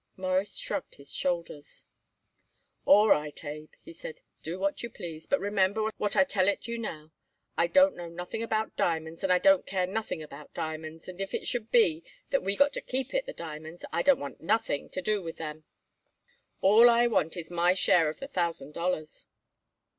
Morris shrugged his shoulders. "All right, Abe," he said. "Do what you please, but remember what I tell it you now. I don't know nothing about diamonds and I don't care nothing about diamonds, and if it should be that we got to keep it the diamonds I don't want nothing to do with them. All I want it is my share of the thousand dollars."